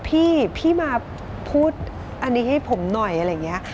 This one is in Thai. พี่พี่มาพูดอันนี้ให้ผมหน่อยอะไรอย่างนี้